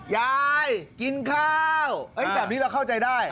ยายกินข้าวแบบนี้เราเข้าใจได้